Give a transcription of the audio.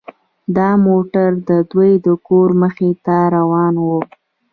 دا موټر د دوی د کور مخې ته روان و